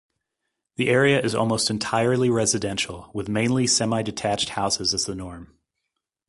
The area is almost entirely residential, with mainly semi-detached houses as the norm.